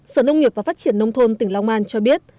sở nông nghiệp và phát triển nông thôn tỉnh long an cho biết